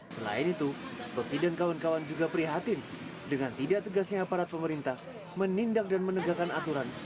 selain itu roti dan kawan kawan juga prihatin dengan tidak tegasnya aparat pemerintah menindak dan menegakkan aturan